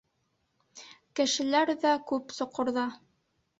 Кешеләр ҙә күп соҡорҙа.